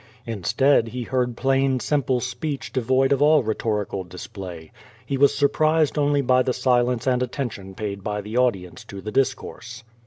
Instead he heard plain, simple speech devoid of all rhetorical display. He was surprised only by the silence and attention paid by the audi ence to the discourse.